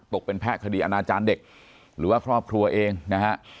ตกเป็นแพะคดีอาณาจารย์เด็กหรือว่าครอบครัวเองนะฮะ